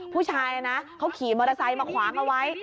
ผู้ชายนะเขาขี่มอเตอร์ไซค์มาขวางเอาไว้